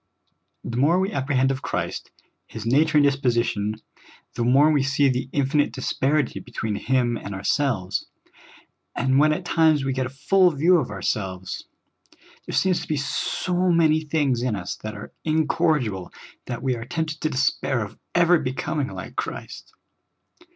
The more we ap prehend of Christ, His nature and disposition, the more we see the infinite disparity between Him and ourselves ; and when at times we get a full view of ourselves, there seems to be so many things in us that are incorrigible that we are tempted to despair of ever becoming like Christ.